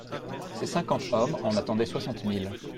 Ces cinquante hommes en attendaient soixante mille.